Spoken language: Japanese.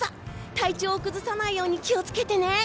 体調を崩さないように気を付けてね！